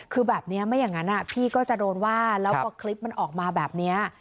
คือแบบนี้ไม่อย่างนั้นพี่ก็จะโดนว่าแล้วพอคลิปมันออกมาแบบนี้